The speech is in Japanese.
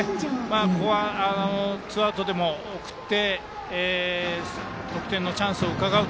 ここはツーアウトでも送って得点のチャンスをうかがう。